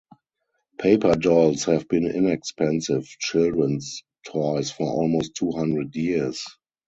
Paper dolls have been inexpensive children's toys for almost two hundred years.